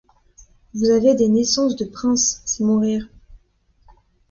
Vous avez des naissances de princes, c’est mon rire.